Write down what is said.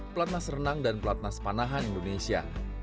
pelatnas renang dan pelatnas panahan indonesia